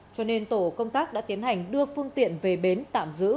cho nên tổ công tác đã tiến hành đưa phương tiện về bến tạm giữ